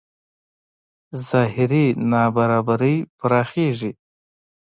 ظاهري نابرابرۍ پراخېږي.